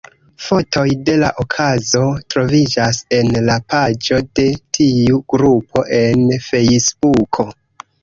Fotoj de la okazo troviĝas en la paĝo de tiu grupo en Fejsbuko.